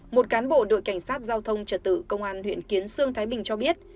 một cán bộ đội cảnh sát giao thông trở tự công an huyện kiến sương thái bình cho biết